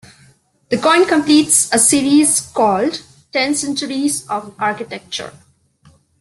The coin completes a series called "Ten Centuries of Architecture".